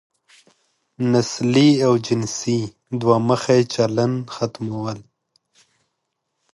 نسلي او جنسي دوه مخی چلن ختمول.